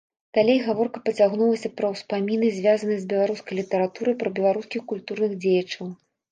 Далей гаворка пацягнулася пра ўспаміны, звязаныя з беларускай літаратурай, пра беларускіх культурных дзеячаў.